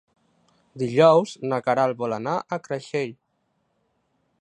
Dijous na Queralt vol anar a Creixell.